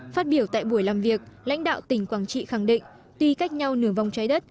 phát biểu tại buổi làm việc lãnh đạo tỉnh quảng trị khẳng định tuy cách nhau nửa vong trái đất